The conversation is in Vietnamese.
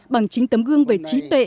bằng chính tấm gương về trí tuệ